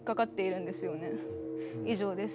以上です。